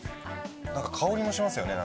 なんか香りもしますよね